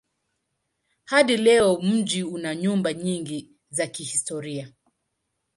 Hadi leo mji una nyumba nyingi za kihistoria.